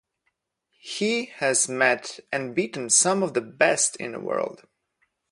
He has met and beaten some of the best in the world.